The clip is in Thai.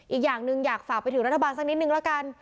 อีกอย่างหนึ่งอยากฝากไปถึงรัฐบาลสักนิดนึงละกัน